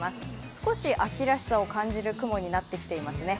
少し秋らしさを感じる雲になってきていますね。